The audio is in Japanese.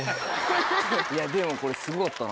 いやでもこれすごかったな。